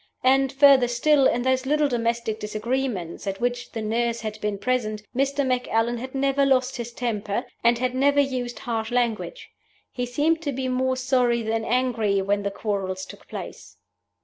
And, further still, in those little domestic disagreements at which the nurse had been present, Mr. Macallan had never lost his temper, and had never used harsh language: he seemed to be more sorry than angry when the quarrels took place."